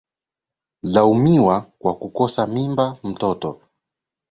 Laumiwa kwa kukosa mimba/mtoto